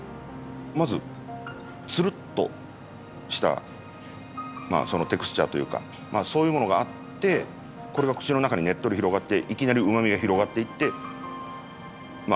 まずつるっとしたテクスチャーというかそういうものがあってこれが口の中にねっとり広がっていきなりうまみが広がっていってまあ